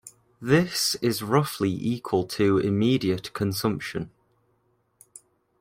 This is roughly equal to intermediate consumption.